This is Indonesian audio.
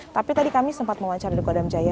tapi tadi kami sempat mengucapkan kodam jaya